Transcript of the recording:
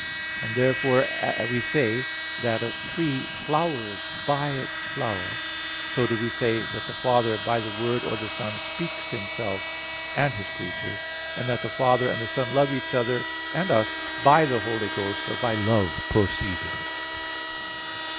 As therefore we say that a tree flowers by its flower, so do we say that the Father, by the Word or the Son, speaks Himself, and His creatures; and that the Father and the Son love each other and us, by the Holy Ghost, or by Love proceeding.